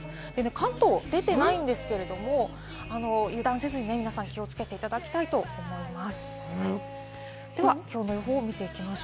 関東でていないんですけれども、油断せずに皆さん気をつけていただきたいと思います。